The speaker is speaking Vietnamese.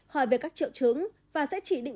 hỏi về các triệu chứng và sẽ chỉ định